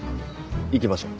行きましょう。